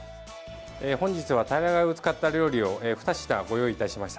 本日はタイラガイを使った料理を２品ご用意いたしました。